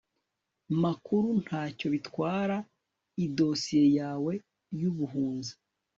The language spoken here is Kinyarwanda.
makuru nta cyo bitwara idosiye yawe y ubuhunzi